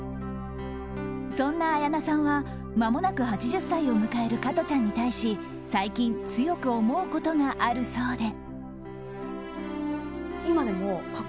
そんな綾菜さんはまもなく８０歳を迎える加トちゃんに対し最近強く思うことがあるそうで。